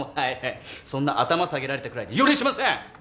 そんな頭下げられたくらいで許しません！